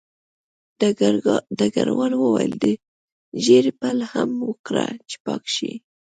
ډګروال وویل د ږیرې پل هم ورکړه چې پاک شي